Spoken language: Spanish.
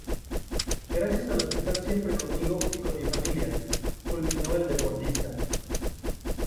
Gracias a los que están siempre conmigo y con mi familia"", culminó el deportista.